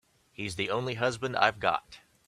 He's the only husband I've got.